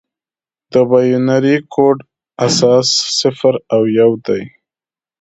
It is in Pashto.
د بایونري کوډ اساس صفر او یو دی.